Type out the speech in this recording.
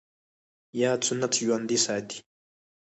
ياد سنت ژوندی ساتي